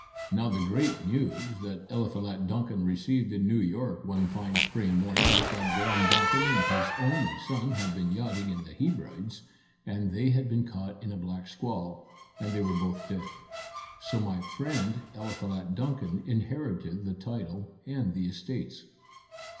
Now the great news that Eliphalet Duncan received in New York one fine spring morning was that Baron Duncan and his only son had been yachting in the Hebrides, and they had been caught in a black squall, and they were both dead. So my friend Eliphalet Duncan inherited the title and the estates."